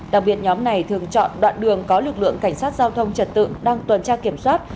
đặc biệt nhóm này thường chọn đoạn đường có lực lượng cảnh sát giao thông trật tự đang tuần tra kiểm soát